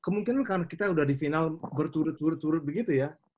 kemungkinan karena kita sudah di final berturut turut turut begitu ya